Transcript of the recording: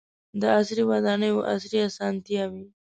• د عصري ودانیو عصري اسانتیاوې.